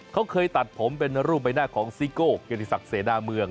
เขาเคยตัดผมเป็นรูปใบหน้าของซิโก้เกียรติศักดิเสนาเมือง